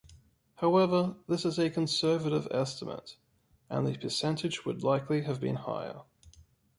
However, this is a conservative estimate and the percentage would likely have been higher.